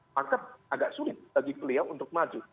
maka agak sulit bagi beliau untuk maju